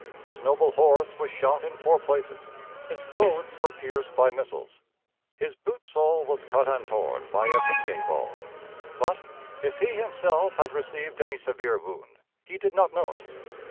His noble horse was shot in four places; his clothes were pierced by missiles; his boot sole was cut and torn by a Minie ball; but, if he himself had received any severe wound, he did not know it.